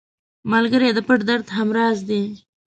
ملګری د پټ درد هم راز دی